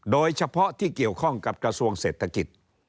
โดยเฉพาะที่เกี่ยวข้องกับกระทรวงเศรษฐกิจ